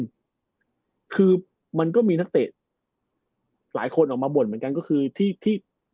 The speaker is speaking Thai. คือมันก็มีนักเตะหลายคนออกมาบ่นเหมือนกันก็คือที่ที่